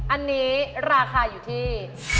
อันนี้ราคาอยู่ที่